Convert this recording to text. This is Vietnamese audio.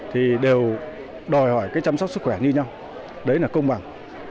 thì đều đòi hỏi cái chăm sóc sức khỏe như nhau đấy là công bằng